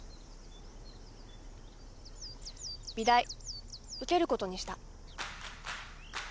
美大受けることにした。